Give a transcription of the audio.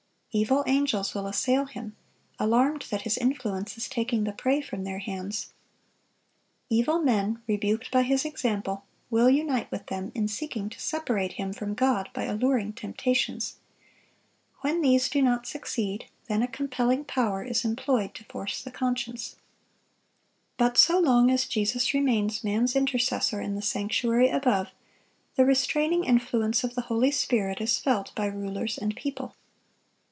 Evil angels will assail him, alarmed that his influence is taking the prey from their hands. Evil men, rebuked by his example, will unite with them in seeking to separate him from God by alluring temptations. When these do not succeed, then a compelling power is employed to force the conscience. But so long as Jesus remains man's intercessor in the sanctuary above, the restraining influence of the Holy Spirit is felt by rulers and people.